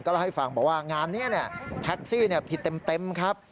เล่าให้ฟังบอกว่างานนี้แท็กซี่ผิดเต็มครับ